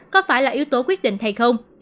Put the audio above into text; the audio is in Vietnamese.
có phải là yếu tố quyết định hay không